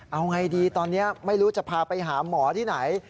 เอาไงดีตอนนี้ไม่รู้จะพาไปหาหมอที่ไหน